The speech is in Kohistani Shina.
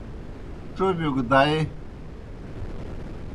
ڇوبِیو گہ دائے۔